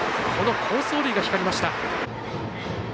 この好走塁が光りました。